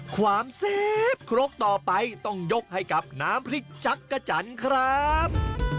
ความแซ่บครกต่อไปต้องยกให้กับน้ำพริกจักรจันทร์ครับ